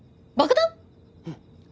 うん。